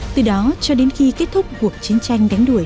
từ đó cho đến khi kết thúc cuộc chiến tranh đánh đuổi